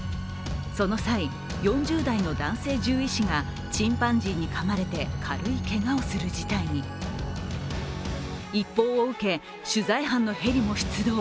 その際、４０代の男性獣医師がチンパンジーにかまれて軽いけがをする事態に一報を受け、取材班のヘリも出動。